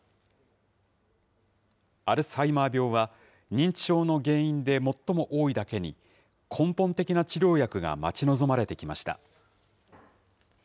アルツハイマー病は、認知症の原因で最も多いだけに、根本的な治療薬が待ち望まれてきました。